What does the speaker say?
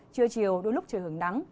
trưa chiều đôi lúc trời hưởng nắng